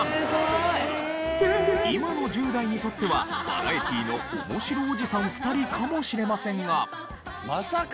今の１０代にとってはバラエティのおもしろおじさん２人かもしれませんが。